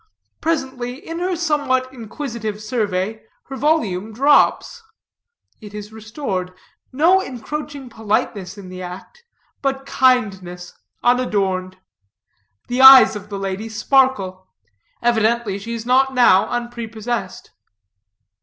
Presently, in her somewhat inquisitive survey, her volume drops. It is restored. No encroaching politeness in the act, but kindness, unadorned. The eyes of the lady sparkle. Evidently, she is not now unprepossessed.